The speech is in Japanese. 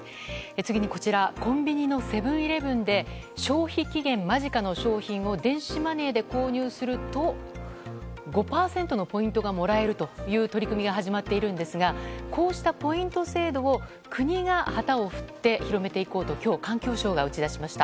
次にコンビニのセブン‐イレブンで消費期限間近の商品を電子マネーで購入すると５％のポイントがもらえるという取り組みが始まっているんですがこうしたポイント制度を国が旗を振って広めていこうと今日、環境省が打ち出しました。